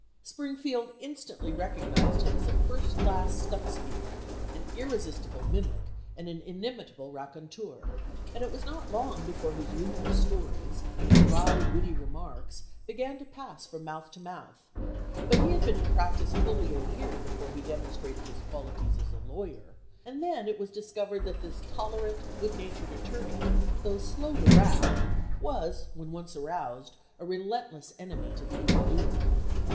Springfield instantly recognized him as a first class stump speaker, an irresistible mimic, and an inimitable raconteur, and it was not long before his humorous stories and dry, witty remarks began to pass from mouth to mouth; but he had been in practice fully a year before he demonstrated his qualities as a lawyer, and then it was discovered that this tolerant, good natured attorney, though slow to wrath, was, when once aroused, a relentless enemv to the evil doer.